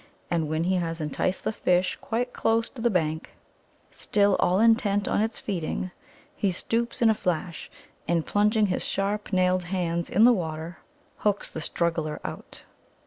And when he has enticed the fish quite close to the bank, still all intent on its feeding, he stoops in a flash, and, plunging his sharp nailed hands in the water, hooks the struggler out.